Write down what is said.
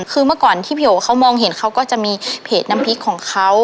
คือเมื่อก่อนที่พี่โอเขามองเห็นเขาก็จะมีเพจน้ำพริกของเขา